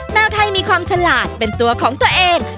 แมวไทยมีความฉลาดเป็นตัวของตัวเอง